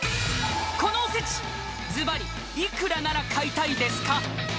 このおせちズバリいくらなら買いたいですか？